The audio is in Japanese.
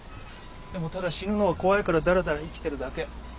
でもただ死ぬのが怖いからだらだら生きてるだけ。